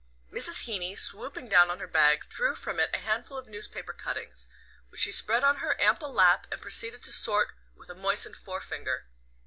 Mrs. Heeny, swooping down on her bag, drew from it a handful of newspaper cuttings, which she spread on her ample lap and proceeded to sort with a moistened forefinger.